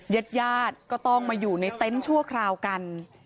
ญาติญาติก็ต้องมาอยู่ในเต็นต์ชั่วคราวกัน